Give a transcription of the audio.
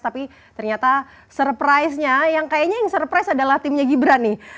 tapi ternyata surprise nya yang kayaknya yang surprise adalah timnya gibran nih